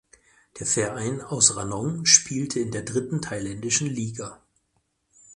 Der Verein aus Ranong spielte in der dritten thailändischen Liga.